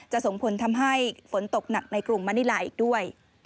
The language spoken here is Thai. ส่งผลทำให้ฝนตกหนักในกรุงมณิลาอีกด้วย